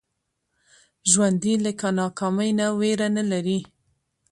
ژوندي له ناکامۍ نه ویره نه لري